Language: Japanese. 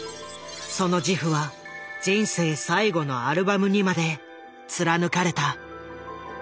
その自負は人生最後のアルバムにまで貫かれた。